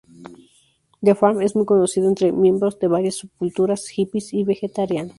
The Farm es muy conocido entre miembros de varias subculturas, hippies y vegetarianos.